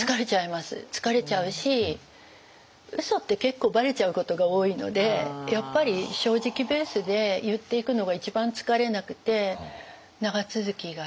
疲れちゃうしうそって結構ばれちゃうことが多いのでやっぱり正直ベースで言っていくのが一番疲れなくて長続きがする気がします。